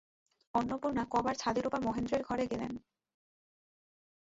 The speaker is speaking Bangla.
অন্নপূর্ণা কবার ছাদের উপর মহেন্দ্রের ঘরে গেলেন।